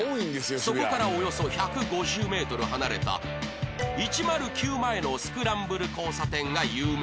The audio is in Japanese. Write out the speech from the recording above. そこからおよそ１５０メートル離れた１０９前のスクランブル交差点が有名だが